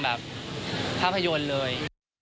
ภาพยนต์เลย